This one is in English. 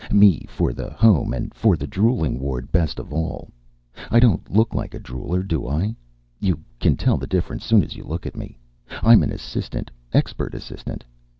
Me for the Home, and for the drooling ward best of all. I don't look like a drooler, do I? You can tell the difference soon as you look at me. I'm an assistant, expert assistant.